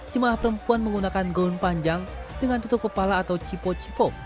jemaah perempuan menggunakan gaun panjang dengan tutup kepala atau cipo cipo